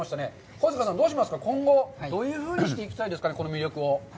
黄塚さん、どうしますか、今後、どういうふうにしていきたいですか、この魅力は。